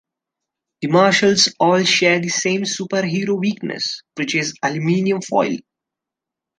The Marshalls all share the same "superhero weakness", which is aluminum foil.